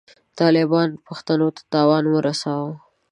طالبانو پښتنو ته تاوان ورساوه.